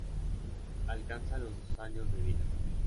Alcanza los dos años de vida.